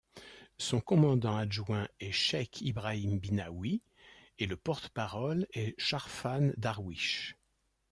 Son commandant adjoint est Cheikh Ibrahim Binaoui et le porte-parole est Sharfan Darwish.